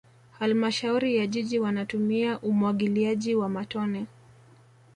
halmashauri ya jiji wanatumia umwagiliaji wa matone